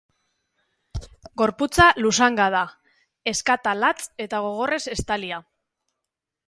Gorputza luzanga da, ezkata latz eta gogorrez estalia.